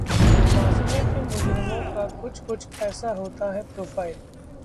मासूमों के मुजरिमों का कुछ-कुछ ऐसा होता है प्रोफाइल